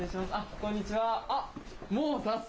こんにちは。